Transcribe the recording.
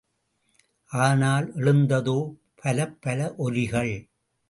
ஆனால் எழுந்ததோ பலப்பல ஒலிகள்.